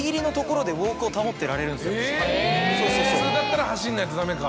普通だったら走んないとダメか。